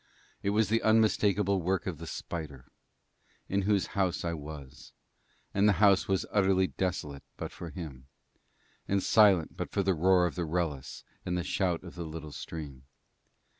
It was the unmistakable work of the spider, in whose house I was, and the house was utterly desolate but for him, and silent but for the roar of the Wrellis and the shout of the little stream.